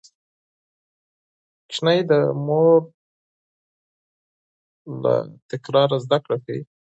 ماشوم د مور له تکرار زده کړه کوي.